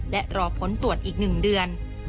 และรอผลตรวจอีก๑เดือน